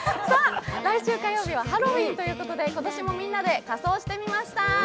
来週火曜日はハロウィーンということでみんなで仮装してみました。